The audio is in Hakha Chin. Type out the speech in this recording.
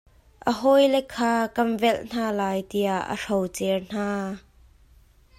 Ahawile kha, kan velh hna lai, tiah a hrocer hna.